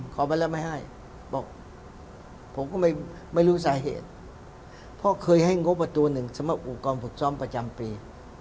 ไปแล้วไม่ให้บอกผมก็ไม่รู้สาเหตุเพราะเคยให้งบประตูหนึ่งสำหรับอู่กองฝึกซ้อมประจำปี